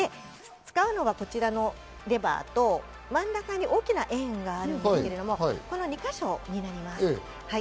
使うのはこちらのレバーと、真ん中に大きな円があるんですけれども、この２か所になります。